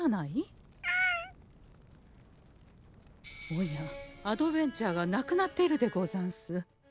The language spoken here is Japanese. おやアドベン茶がなくなっているでござんす。